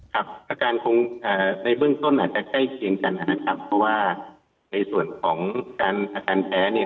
อาการคงในเบื้องต้นอาจจะใกล้เคียงกันนะครับเพราะว่าในส่วนของการอาการแพ้เนี่ย